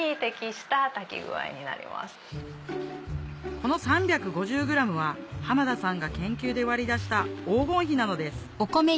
この３５０ｇは濱田さんが研究で割り出した黄金比なのです